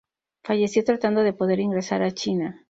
Falleció tratando de poder ingresar a China.